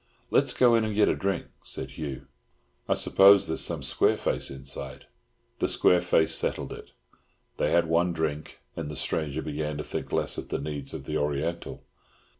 "Let's go in and get a drink," said Hugh. "I suppose there is some square face inside." The square face settled it. They had one drink, and the stranger began to think less of the needs of the Oriental.